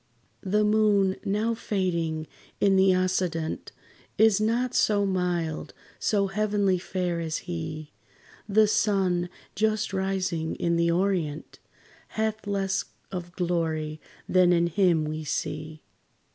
The moon, now fading in the occident, Is not so mild, so heavenly fair as he. The sun, just rising in the orient, Hath less of glory than in him we see.